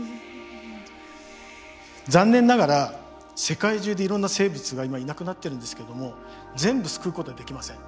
残念ながら世界中でいろんな生物が今いなくなってるんですけれども全部救うことはできません。